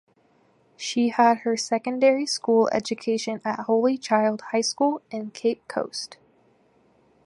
She had her secondary school education at Holy Child High School in Cape Coast.